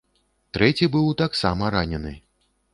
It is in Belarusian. Трэці быў таксама ранены.